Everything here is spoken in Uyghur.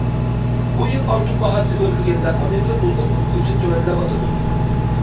بۇ يىل ئالتۇن باھاسى ئۆرلىگەندە ئامېرىكا دوللىرىنىڭ كۇرسى تۆۋەنلەۋاتىدۇ.